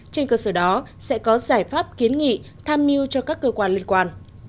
trên cơ sở đó sẽ có giải pháp kiến nghị tham mưu cho các cơ quan liên quan